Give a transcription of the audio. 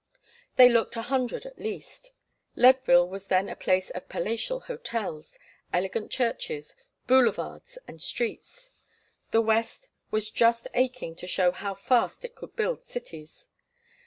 They looked a hundred at least. Leadville was then a place of palatial hotels, elegant churches, boulevards and streets. The West was just aching to show how fast it could build cities.